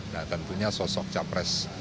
nah tentunya sosok capres